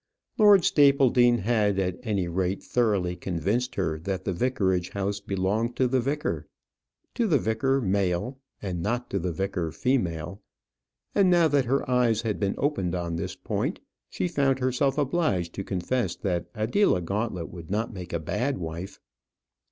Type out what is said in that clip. Lord Stapledean had, at any rate, thoroughly convinced her that the vicarage house belonged to the vicar to the vicar male, and not to the vicar female; and now that her eyes had been opened on this point, she found herself obliged to confess that Adela Gauntlet would not make a bad wife.